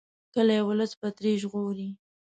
کلي ولس به ترې ژغوري.